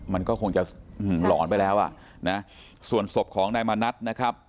มันก็คงจะหลอนไปแล้วอ่ะนะส่วนศพของนายมณัฐนะครับ